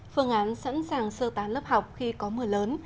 phương án sẵn sàng sơ tán lớp học khi có mưa lớn